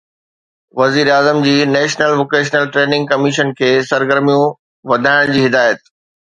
وزيراعظم جي national vocational training commission کي سرگرميون وڌائڻ جي هدايت